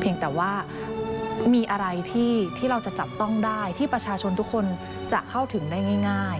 เพียงแต่ว่ามีอะไรที่เราจะจับต้องได้ที่ประชาชนทุกคนจะเข้าถึงได้ง่าย